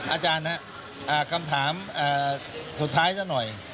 อาจารย์ครับคำถามสุดท้ายซะหน่อย